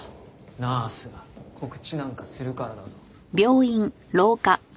ナースが告知なんかするからだぞ。